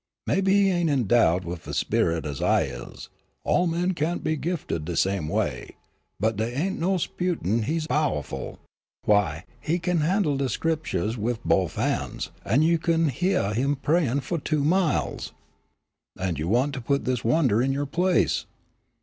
Mebbe he ain' endowed wif de sperrit as I is, all men cain't be gifted de same way, but dey ain't no sputin' he is powahful. Why, he can handle de Scriptures wif bof han's, an' you kin hyeah him prayin' fu' two miles." "And you want to put this wonder in your place?"